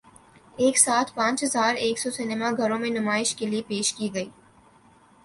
ایک ساتھ پانچ ہزار ایک سو سینما گھروں میں نمائش کے لیے پیش کی گئی